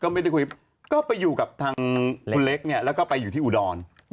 ไม่ได้คุยก็ไปอยู่กับทางคุณเล็กเนี่ยแล้วก็ไปอยู่ที่อุดร